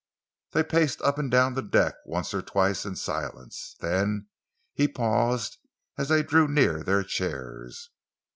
They paced up and down the deck once or twice in silence. Then he paused as they drew near their chairs.